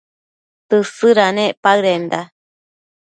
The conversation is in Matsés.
Tësëdanec paëdenda